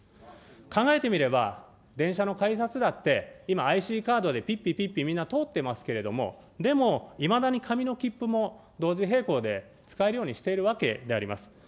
考えてみれば、電車の改札だって今、ＩＣカードでぴっぴぴっぴ、みんな通ってますけど、でも、いまだに紙の切符も同時並行で使えるようにしているわけであります。